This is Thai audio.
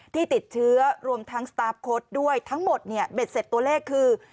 ที่ติดเชื้อรวมทั้งสตาร์ฟโค้ดด้วยทั้งหมดเนี่ยเบ็ดเสร็จตัวเลขคือ